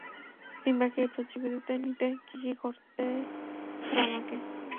সিম্বাকে এই প্রতিযোগিতাতে নিতে কী কী করতে হবে আমাকে?